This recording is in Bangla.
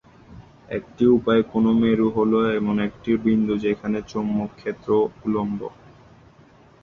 একটি উপায়ে কোন মেরু হল এমন একটি বিন্দু যেখানে চৌম্বক ক্ষেত্র উলম্ব।